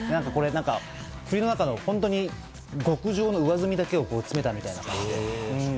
栗の中の本当に極上の上澄みだけを詰めたみたいな感じ。